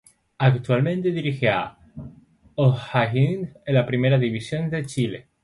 Actualmente dirige a O'Higgins de la Primera División de Chile.